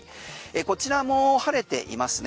こちらも晴れていますね